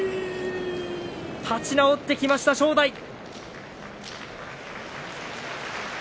立ち直ってきました、正代。